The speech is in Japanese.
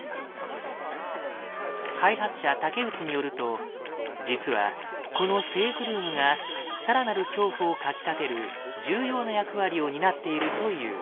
開発者竹内によると実はこのセーフルームがさらなる恐怖をかきたてる重要な役割を担っているという。